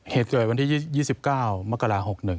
เหตุเกิดวันที่๒๙มกรา๖๑